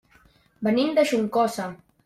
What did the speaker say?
Venim de Juncosa.